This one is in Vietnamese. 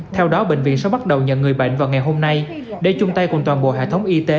theo đó bệnh viện sẽ bắt đầu nhận người bệnh vào ngày hôm nay để chung tay cùng toàn bộ hệ thống y tế